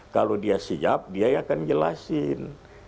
kalau dia siap dia akan jelasin